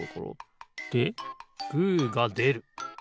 でグーがでる。